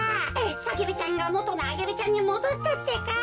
サゲルちゃんがもとのアゲルちゃんにもどったってか。